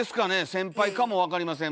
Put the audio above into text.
先輩かもわかりません